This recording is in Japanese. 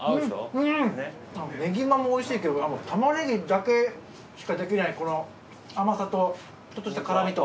うんネギマもおいしいけどタマネギだけしかできないこの甘さとちょっとした辛みと。